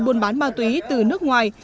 buôn bán ma túy từ nước ngoài